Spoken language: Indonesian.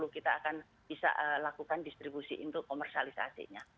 kita akan bisa lakukan distribusi untuk komersialisasinya